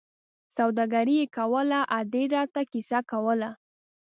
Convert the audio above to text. سوداګري یې کوله، ادې را ته کیسه کوله.